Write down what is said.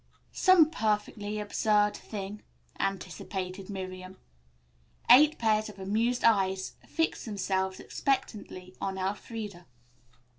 "Some perfectly absurd thing," anticipated Miriam. Eight pairs of amused eyes fixed themselves expectantly on Elfreda.